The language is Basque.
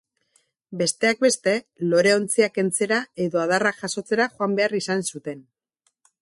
Besteak beste, loreontziak kentzera edo adarrak jasotzera joan behar izan zuten.